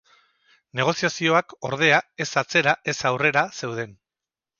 Negoziazioak, ordea, ez atzera ez aurrera zeuden.